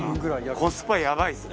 コスパやばいですね。